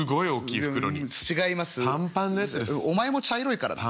お前も茶色いからな。